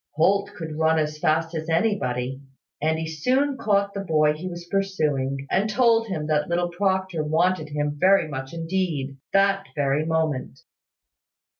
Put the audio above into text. Holt could run as fast as anybody, and he soon caught the boy he was pursuing, and told him that little Proctor wanted him very much indeed, that very moment.